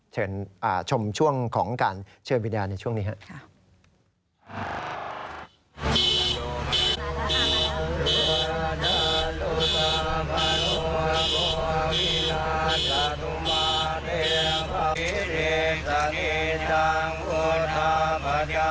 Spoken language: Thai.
เชิญชมช่วงของการเชิญวิญญาณในช่วงนี้ครับ